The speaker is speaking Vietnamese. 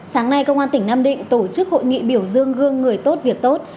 sáng nay công an tỉnh nam định tổ chức hội nghị biểu dương gương người tốt việc tốt